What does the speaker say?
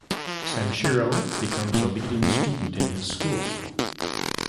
Sanshiro becomes a leading student in his school.